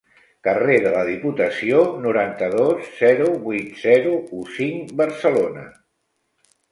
Carrer de la Diputació, noranta-dos, zero vuit zero u cinc, Barcelona.